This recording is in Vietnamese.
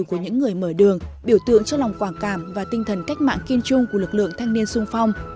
của những người mở đường biểu tượng cho lòng quả cảm và tinh thần cách mạng kiên trung của lực lượng thanh niên sung phong